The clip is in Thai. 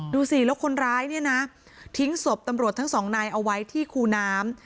ดูสิแล้วคนร้ายเนี่ยนะทิ้งศพตำรวจทั้งสองนายเอาไว้ที่คูน้ำ